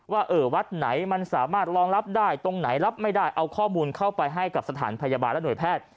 ว่าวัดไหนมันสามารถรองรับได้ตรงไหนรับไม่ได้เอาข้อมูลเข้าไปให้กับสถานพยาบาลและหน่วยแพทย์